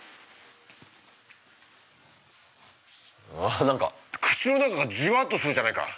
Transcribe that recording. あっ何か口の中がじわっとするじゃないか。